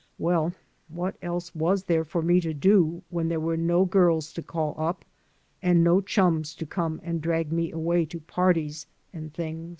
Well, what else was there for me to do when there were no girls to call up and no chums to come and drag me away to parties and things?